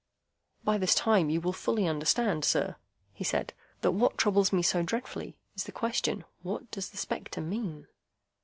"By this time you will fully understand, sir," he said, "that what troubles me so dreadfully is the question, What does the spectre mean?"